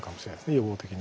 予防的に。